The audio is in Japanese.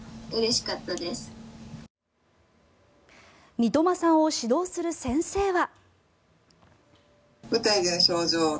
三苫さんを指導する先生は。